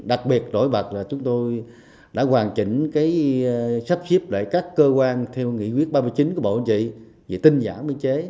đặc biệt rỗi bạc là chúng tôi đã hoàn chỉnh sắp xếp lại các cơ quan theo nghị quyết ba mươi chín của bộ chính trị về tinh giảm